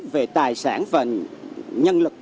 về tài sản và nhân lực